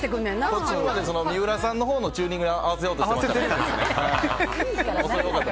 途中まで三浦さんのほうのチューニングに合わせようとして。